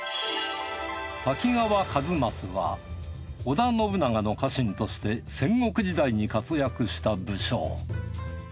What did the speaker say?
滝川一益は織田信長の家臣として戦国時代に活躍した武将